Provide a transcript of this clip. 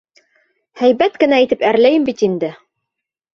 Һәйбәт кенә итеп әрләйем бит инде.